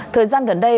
thời gian gần đây